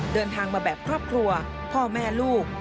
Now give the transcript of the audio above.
เดินทางมาแบบครอบครัวพ่อแม่ลูก